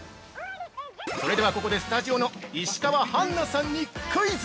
それでは、ここでスタジオの石川花さんにクイズ。